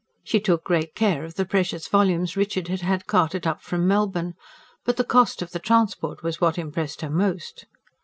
She took great care of the precious volumes Richard had had carted up from Melbourne; but the cost of the transport was what impressed her most.